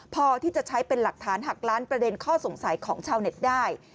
พอที่จะใช้เป็นหลักฐานหักล้านประเด็นข้อสงสัยของชาวเน็ตได้